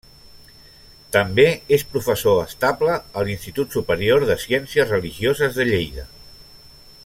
També és professor estable a l'Institut Superior de Ciències Religioses de Lleida.